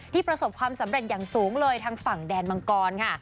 ประสบความสำเร็จอย่างสูงเลยทางฝั่งแดนมังกรค่ะ